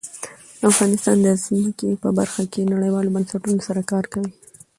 افغانستان د ځمکه په برخه کې نړیوالو بنسټونو سره کار کوي.